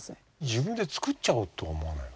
自分で作っちゃおうとは思わないの？